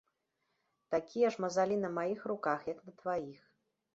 Такія ж мазалі на маіх руках, як на тваіх.